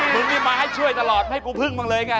ทุกทีมาให้ช่วยตลอดให้กูพึ่งบ้างเลยไง